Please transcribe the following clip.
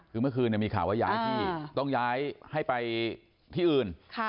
คือเมื่อคืนมีข่าวว่าย้ายที่ต้องย้ายให้ไปที่อื่น